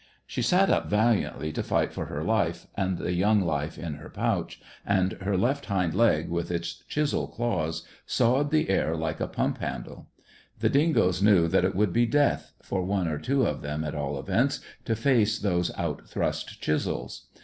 She sat up valiantly to fight for her life and the young life in her pouch, and her left hind leg, with its chisel claws, sawed the air like a pump handle. The dingoes knew that it would be death, for one or two of them, at all events, to face those out thrust chisels.